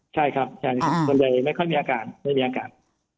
ใช่ครับคนเดียวไม่ค่อยมีอาการ